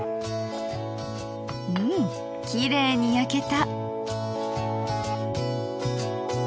うんきれいに焼けた。